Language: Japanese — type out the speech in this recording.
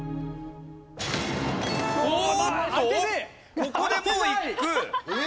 ここでもういく？